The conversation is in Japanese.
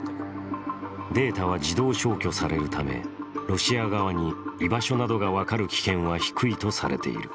データは自動消去されるためロシア側に居場所などが分かる危険は低いとされる。